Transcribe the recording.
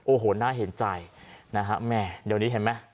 โอ้โหน่าเห็นใจนะฮะแม่เดี๋ยวนี้เห็นไหม